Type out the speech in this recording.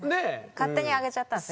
勝手に上げちゃったんです？